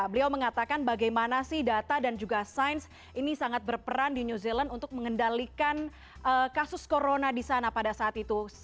beliau mengatakan bagaimana sih data dan juga sains ini sangat berperan di new zealand untuk mengendalikan kasus corona di sana pada saat itu